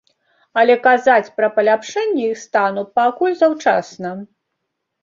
Але казаць пра паляпшэнне іх стану пакуль заўчасна.